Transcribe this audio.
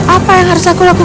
apa yang harus aku lakukan